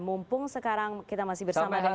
mumpung sekarang kita masih bersama dengan pak ngabalin